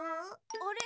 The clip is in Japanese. あれ？